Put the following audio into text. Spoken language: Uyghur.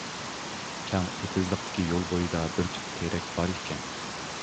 كەڭ ئېتىزلىقتىكى يول بويىدا بىر تۈپ تېرەك بار ئىكەن.